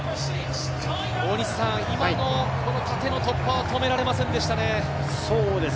今の縦の突破は止められませんでしたね。